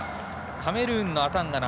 カメルーンのアタンガナ